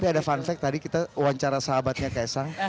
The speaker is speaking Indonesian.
tapi ada fun fact tadi kita wawancara sahabatnya ksang